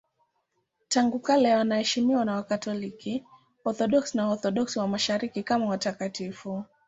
Tangu kale wanaheshimiwa na Wakatoliki, Waorthodoksi na Waorthodoksi wa Mashariki kama watakatifu.